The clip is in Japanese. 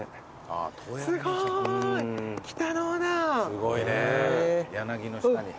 すごいね柳の下に。